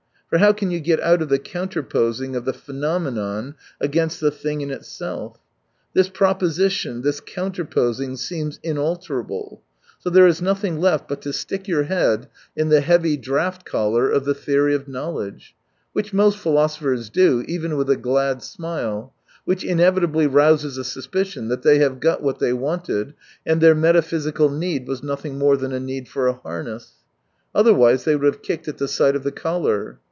For how can you get out of the counterposing of the phenomenon against the thing in itself ? This proposition, this counterposing seems inalterable, so there is nothing left but to stick your head in the 1 80 heavy draught collar of the theory of know ledge. Which most philosophers do, eVen with a glad smile, which inevitably rouses a suspicion that they have got what they wanted, and their "metaphysical need" was nothing more than a need for a harness. Otherwise they would have kicked at the sight of the collar.